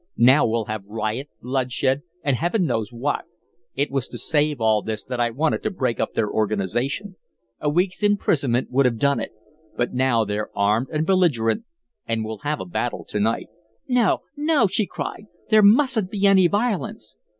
Now we'll have riot, bloodshed, and Heaven knows what. It was to save all this that I wanted to break up their organization. A week's imprisonment would have done it, but now they're armed and belligerent and we'll have a battle to night." "No, no!" she cried. "There mustn't be any violence."